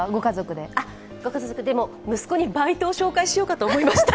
息子にバイトを紹介しようかと思いました。